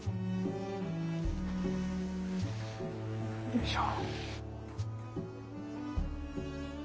よいしょ。